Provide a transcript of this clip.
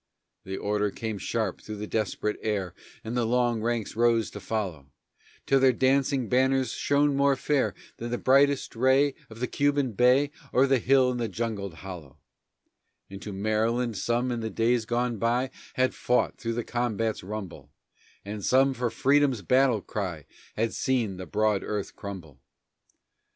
The order came sharp through the desperate air And the long ranks rose to follow, Till their dancing banners shone more fair Than the brightest ray Of the Cuban day On the hill and jungled hollow; And to "Maryland" some in the days gone by Had fought through the combat's rumble, And some for "Freedom's Battle Cry" Had seen the broad earth crumble.